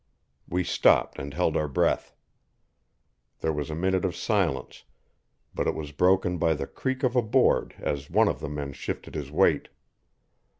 We stopped and held our breath. There was a minute of silence, but it was broken by the creak of a board as one of the men shifted his weight.